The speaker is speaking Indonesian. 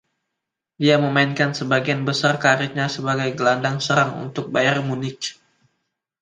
Dia memainkan sebagian besar kariernya sebagai gelandang serang untuk Bayern Munich.